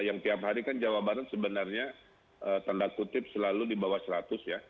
yang tiap hari kan jawa barat sebenarnya tanda kutip selalu di bawah seratus ya